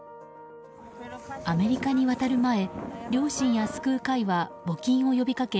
アメリカに渡る前両親や救う会は募金を呼びかけ